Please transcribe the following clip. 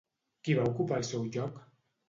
Qui va ocupar el seu lloc?